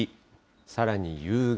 さらに夕方。